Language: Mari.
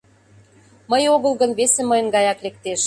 Мый огыл гын, весе мыйын гаяк лектеш.